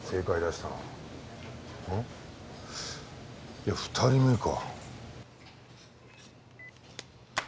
いや２人目か。